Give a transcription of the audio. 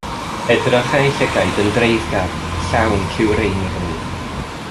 Edrychai ei llygaid yn dreiddgar, llawn cywreinrwydd.